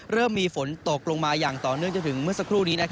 เริ่มมีฝนตกลงมาอย่างต่อเนื่องจนถึงเมื่อสักครู่นี้